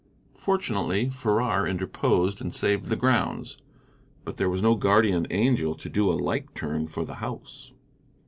Fortunately Farrar interposed and saved the grounds, but there was no guardian angel to do a like turn for the house.